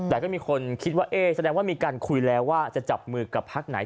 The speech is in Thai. แต่ก็มีคนคิดว่าเอ๊ะแสดงว่ามีการคุยแล้วว่าจะจับมือกับพักไหน